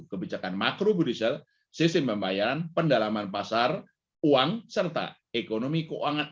kebijakan makro budisel sistem pembayaran pendalaman pasar uang serta ekonomi keuangan